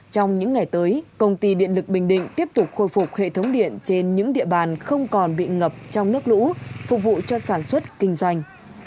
trong những ngày tới công ty điện lực bình định tiếp tục khôi phục hệ thống điện trên những địa bàn không còn bị ngập trong nước lũ phục vụ cho sản xuất kinh doanh